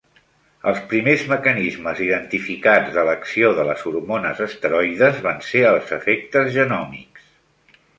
Els primers mecanismes identificats de l'acció de les hormones esteroides van ser els efectes genòmics.